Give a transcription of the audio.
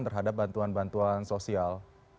terhadap bantuan bantuan sosial